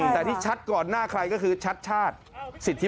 แต่ที่ชัดก่อนหน้าใครก็คือชัดชาติสิทธิ